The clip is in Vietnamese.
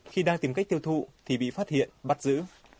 khi đang tìm cách tiêu thụ thì bị phát hiện bắt giữ